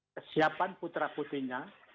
kesiapan putra putrinya